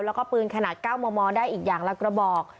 แล้วก็ปืนขนาด๙มมได้อีกอย่างละกระบอก